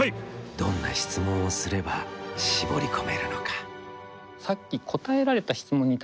どんな質問をすれば絞り込めるのか？